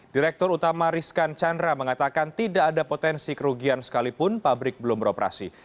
direktur utama rizkan chandra mengatakan tidak ada potensi kerugian sekalipun pabrik belum beroperasi